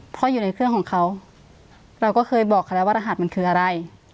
เพราะอยู่ในเครื่องของเขาเราก็เคยบอกเขาแล้วว่ารหัสมันคืออะไร